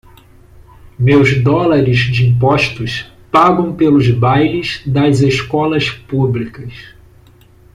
Meus dólares de impostos pagam pelos bailes das escolas públicas.